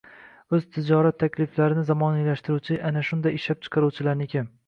o‘z tijorat takliflarini zamonaviylashtiruvchi ana shunday ishlab chiqaruvchilarniki.